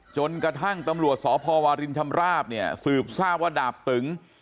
จนกระทั่งตำรวจศพวลินชำระภสืบทรากว่าดาบตึง